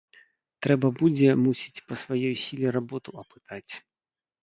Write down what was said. Трэба будзе, мусіць, па сваёй сіле работу апытаць.